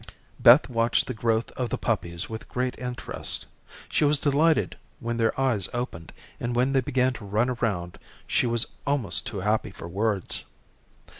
"] Beth watched the growth of the puppies with great interest. She was delighted when their eyes opened, and when they began to run around she was almost too happy for words.